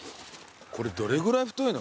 これどれぐらい太いの？